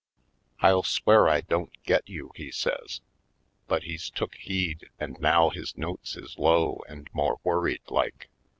"I'll swear I don't get you," he says. But he's took heed and now his notes is low and more worried like.